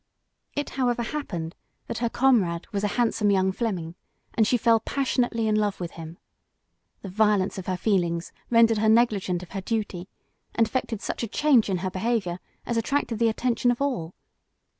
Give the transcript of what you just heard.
It, however, happened, that her comrade was a handsome young Fleming, and she fell passionately in love with him. The violence of her feelings rendered her negligent of her duty, and effected such a change in her behaviour as attracted the attention of all.